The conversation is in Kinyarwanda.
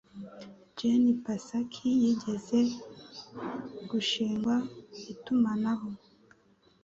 Jen Psaki yigeze gushingwa itumanaho